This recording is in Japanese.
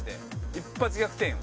一発逆転よ。